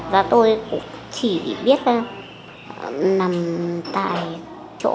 và tôi chỉ biết là nằm tại chỗ